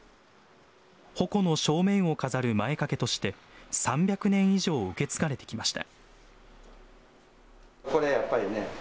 鉾の正面を飾る前掛けとして、３００年以上受け継がれてきました。